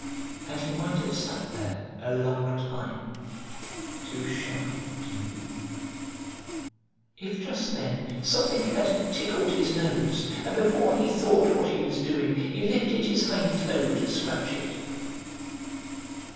And he might have sat there a long time, too shy to move, if just then something hadn't tickled his nose, and before he thought what he was doing he lifted his hind toe to scratch it.